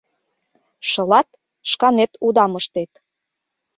Шылат — шканет удам ыштет...